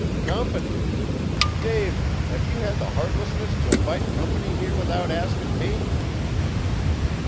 "Company! David, have you had the heartlessness t' invite company here without askin' me?"